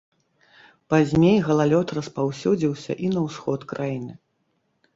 Пазней галалёд распаўсюдзіўся і на ўсход краіны.